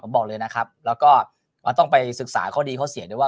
ผมบอกเลยนะครับแล้วก็ต้องไปศึกษาข้อดีข้อเสียด้วยว่า